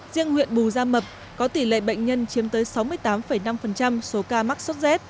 riêng huyện bù gia mập có tỷ lệ bệnh nhân chiếm tới sáu mươi tám năm số ca mắc sốt z